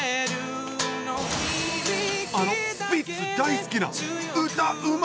あのスピッツ大好きな歌うま